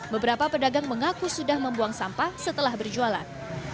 beberapa pedagang mengaku sudah membuang sampah setelah berjualan